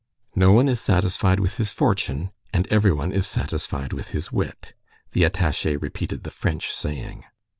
"'No one is satisfied with his fortune, and everyone is satisfied with his wit.'" The attaché repeated the French saying.